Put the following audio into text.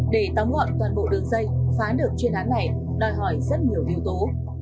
để tóm gọn toàn bộ đường dây phá được chuyên án này đòi hỏi rất nhiều yếu tố